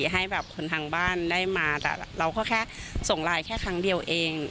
ให้แบบคนทางบ้านได้มาแต่เราก็แค่ส่งไลน์แค่ครั้งเดียวเอง